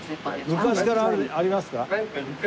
昔からありますか？